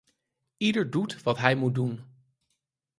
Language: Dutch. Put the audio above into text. Ieder doet wat hij moet doen.